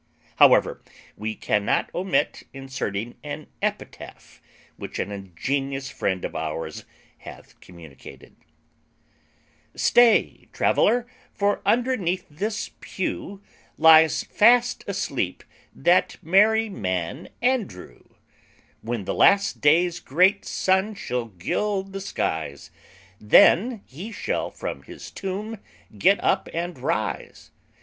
However, we cannot omit inserting an epitaph which an ingenious friend of ours hath communicated: Stay, traveller, for underneath this pew Lies fast asleep that merry man Andrew: When the last day's great sun shall gild the skies, Then he shall from his tomb get up and rise.